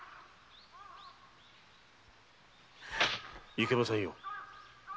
いけませんよ。